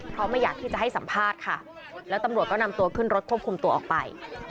เพราะไม่อยากที่จะให้สัมภาษณ์ค่ะแล้วตำรวจก็นำตัวขึ้นรถควบคุมตัวออกไป